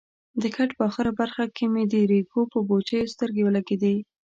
د کټ په اخره برخه کې مې د ریګو پر بوجیو سترګې ولګېدې.